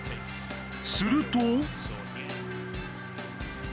すると。